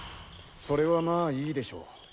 それはまあいいでしょう。